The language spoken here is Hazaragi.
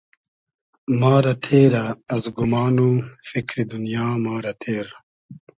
ما رۂ تېرۂ از گومان و فیکری دونیا ما رۂ تېر